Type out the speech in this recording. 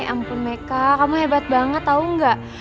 ya ampun meka kamu hebat banget tau gak